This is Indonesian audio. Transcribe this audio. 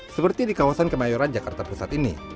seperti di kawasan kemayoran jakarta pusat ini